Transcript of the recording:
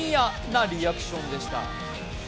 なリアクションでした。